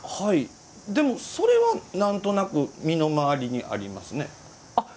それは、なんとなく身の回りにありますね。